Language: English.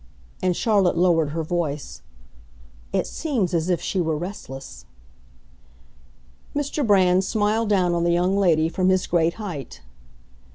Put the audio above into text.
And Charlotte lowered her voice. "It seems as if she were restless." Mr. Brand smiled down on the young lady from his great height.